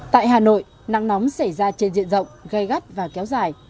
tại hà nội nắng nóng xảy ra trên diện rộng gây gắt và kéo dài